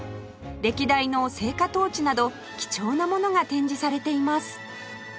歴代の聖火トーチなど貴重なものが展示されています